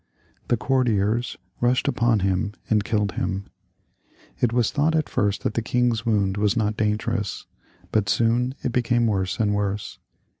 The courtiers rushed upon him and Idlled him. It was thought at first that the king's wound was not dangerous; but soon it became worse and worse.